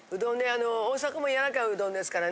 あの大阪も柔らかいうどんですからね。